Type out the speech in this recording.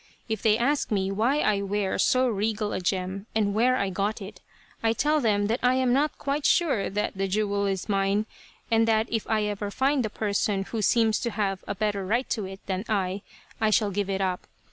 If they ask me why I wear so regal a gem, and where I got it, I tell them that I am not quite sure that the jewel is mine, and that if I ever find the person who seems to have a better right to it than I, I shall give it up.